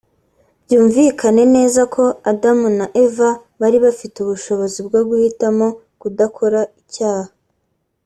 Byumvikane neza ko Adamu na Eva bari bafite ubushobozi bwo guhitamo kudakora icyaha